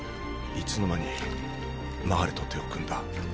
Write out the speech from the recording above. いつの間にマーレと手を組んだ？